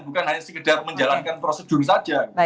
bukan hanya sekedar menjalankan prosedur saja